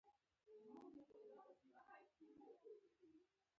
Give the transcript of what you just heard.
په خرما کې ډېر ویټامینونه او منرالونه شته.